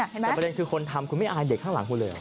แต่ประเด็นคือคนทำคุณไม่อายเด็กข้างหลังคุณเลย